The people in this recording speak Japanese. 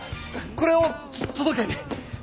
これを届けに。